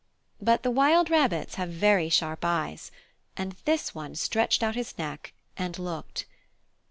But the wild rabbits have very sharp eyes. And this one stretched out his neck and looked.